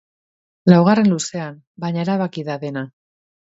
Laugarren luzean, baina, erabaki da dena.